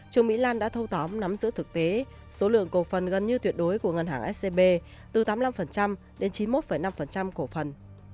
trương mỹ lan đã thâu tóm nắm giữ thực tế số lượng cổ phần gần như tuyệt đối của ngân hàng scb từ tám mươi năm đến chín mươi một năm cổ phần